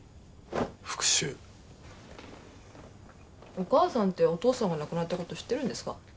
お母さんってお父さんが亡くなった事知ってるんですか？